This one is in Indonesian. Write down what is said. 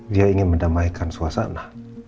dia ingin mendamaikan suasana